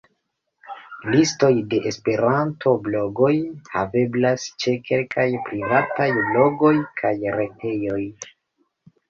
Listoj de esperanto-blogoj haveblas ĉe kelkaj privataj blogoj kaj retejoj.